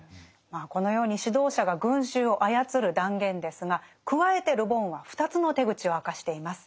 このように指導者が群衆を操る断言ですが加えてル・ボンは２つの手口を明かしています。